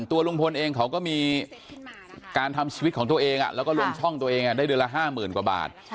ตัวลุงพลเองเขาก็มีการทำชีวิตของตัวเองแล้วก็ลงช่องตัวเองได้เดือนละ๕๐๐๐กว่าบาท